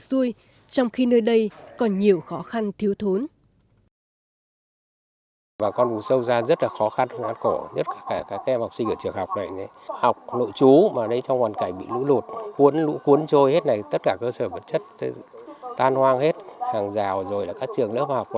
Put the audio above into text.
đừng kiếm kịp với miễn xuôi trong khi nơi đây còn nhiều khó khăn thiếu thốn